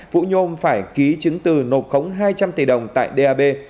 vũ nhôm phải ký chứng từ nộp khống hai trăm linh tỷ đồng tại dab